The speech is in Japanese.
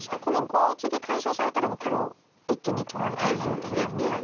このコウを次解消されたらもう黒一気に取られてしまうわけですよね。